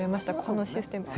このシステム。